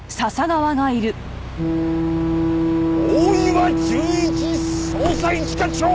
大岩純一捜査一課長！